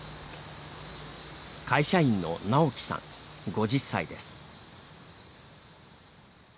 会社員の直樹さん、５０歳です。